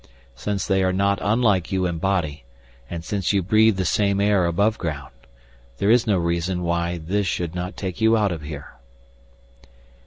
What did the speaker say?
Since they are not unlike you in body and since you breathe the same air aboveground, there is no reason why this should not take you out of here."